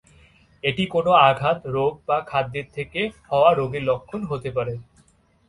এটি কোনো আঘাত, রোগ বা খাদ্যের থেকে হওয়া রোগের লক্ষণ হতে পারে।